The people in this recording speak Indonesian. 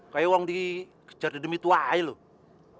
kayak orang dikejar demi tuai loh